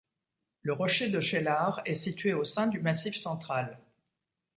Le rocher de Cheylard est situé au sein du Massif central.